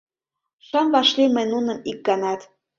Шым вашлий мый нуным ик ганат.